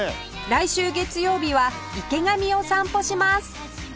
来週月曜日は池上を散歩します